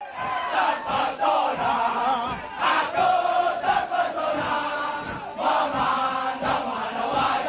terpesona aku terpesona memandang mana wajahmu yang ada